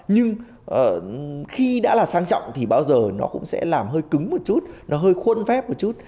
nhưng khi đã là sang trọng thì bao giờ nó cũng sẽ làm hơi cứng một chút nó hơi khuân phép một chút